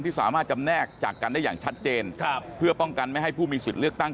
สามารถจำแนกจากกันได้อย่างชัดเจนครับเพื่อป้องกันไม่ให้ผู้มีสิทธิ์เลือกตั้ง